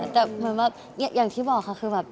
แต่อย่างที่บอกค่ะคือแบบ